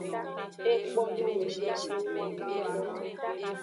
Ekpo no ngzinzin noame ngto.